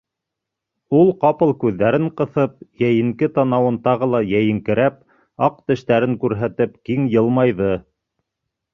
Ул ҡапыл күҙҙәрен ҡыҫып, йәйенке танауын тағы ла йәйеңкерәп, аҡ тештәрен күрһәтеп, киң йылмайҙы.